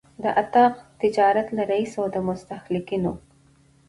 د اطاق تجارت له رئیس او د مستهلکینو